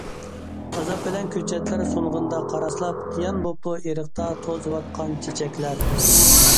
ئازاب بىلەن كۆچەتلەر سۇنغىنىدا قاراسلاپ، قىيان بوپتۇ ئېرىقتا توزۇۋاتقان چېچەكلەر.